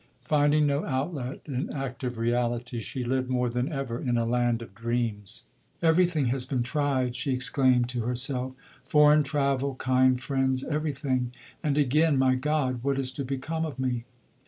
Finding no outlet in active reality, she lived more than ever in a land of dreams. "Everything has been tried," she exclaimed to herself; "foreign travel, kind friends, everything." And again, "My God! what is to become of me?"